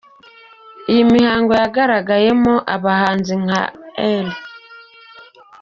Iyi mihango yagaragayemo abahanzi nka R.